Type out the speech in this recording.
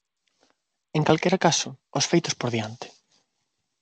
En calquera caso, os feitos por diante.